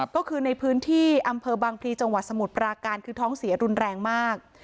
ก็คือในพื้นที่อำเภอบางพลีจังหวัดสมุทรปราการคือท้องเสียรุนแรงมาก